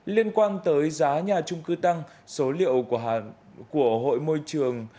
liên quan tới giá nhà trung cư tăng số liệu của hàng